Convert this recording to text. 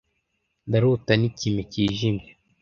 ndarota n'ikime kijimye